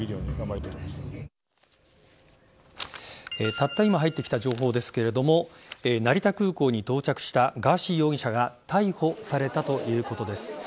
たった今入ってきた情報ですけれども成田空港に到着したガーシー容疑者が逮捕されたということです。